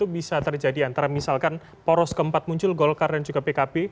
bisa terjadi antara misalkan poros keempat muncul golkar dan juga pkb